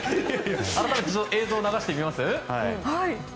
改めて映像を流してみますか。